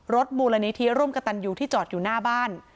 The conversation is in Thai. มูลนิธิร่วมกับตันอยู่ที่จอดอยู่หน้าบ้าน